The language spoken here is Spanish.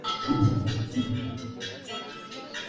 Uno de sus hermanos sería el político Víctor Larco Herrera.